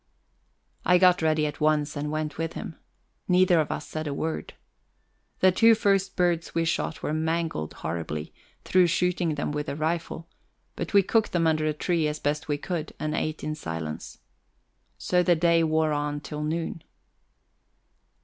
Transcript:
I got ready at once and went with him. Neither of us said a word. The first two birds we shot were mangled horribly, through shooting them with the rifle; but we cooked them under a tree as best we could, and ate in silence. So the day wore on till noon.